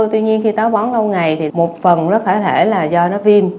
tuy nhiên khi táo bón lâu ngày thì một phần khả thể là do nó viêm